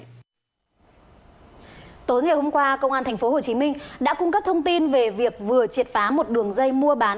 tối ngày hôm qua công an tp hcm đã cung cấp thông tin về việc vừa triệt phá một đường dây mua bán